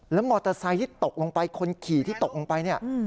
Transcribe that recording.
แล้วมอเตอร์ไซค์ที่ตกลงไปคนขี่ที่ตกลงไปเนี่ย